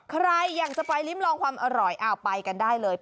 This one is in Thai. ใครอยากจะไปริ้มลองความอร่อยไปกันได้เลย